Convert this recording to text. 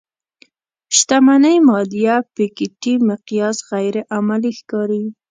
شتمنۍ ماليه پيکيټي مقیاس غیر عملي ښکاري.